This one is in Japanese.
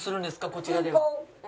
こちらでは。